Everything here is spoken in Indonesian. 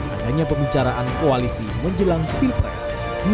adanya pembicaraan koalisi menjelang pilpres dua ribu dua puluh empat